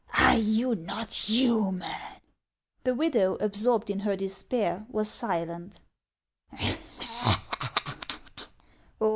Are you not human ?" The widow, absorbed in her despair, was silent.